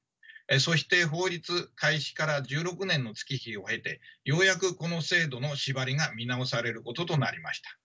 そして法律開始から１６年の月日を経てようやくこの制度の縛りが見直されることとなりました。